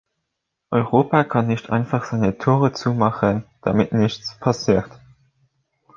Europa kann nicht einfach seine Tore zumachen, damit nichts passiert.